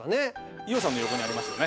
伊代さんの横にありますよね。